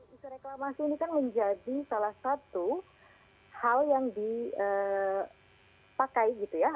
isu reklamasi ini kan menjadi salah satu hal yang dipakai gitu ya